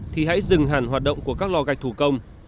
thì hãy dừng hẳn hoạt động của các lò gạch thủ công